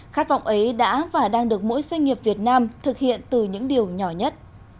khát vọng ấy đã và đang được mỗi doanh nghiệp việt nam thực hiện từ những điều nhỏ nhất